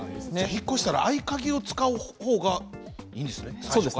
引っ越したら合鍵を使う方がいいんですね。